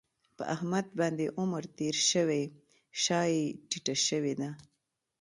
په احمد باندې عمر تېر شوی شا یې ټیټه شوې ده.